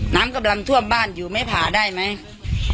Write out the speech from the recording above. น้ำกำลังท่วมบ้านอยู่ไม่ผ่าได้ไหม